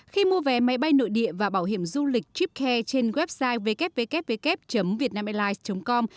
khi mua vé máy bay nội địa và bảo hiểm du lịch tripcare trên website www vietnamairlines com